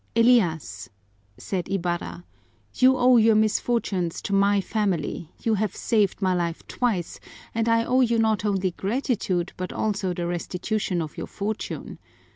"Elias," said Ibarra, "you owe your misfortunes to my family, you have saved my life twice, and I owe you not only gratitude but also the restitution of your fortune.